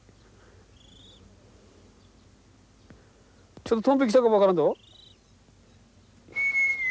ちょっとトンビ来たかも分からんぞ。